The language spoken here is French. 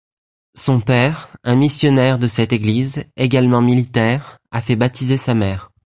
Son père, un missionnaire de cette église, également militaire, a fait baptiser sa mère.